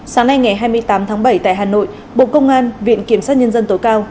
sáng nay ngày hai mươi tám tháng bảy tại hà nội bộ công an viện kiểm sát nhân dân tối cao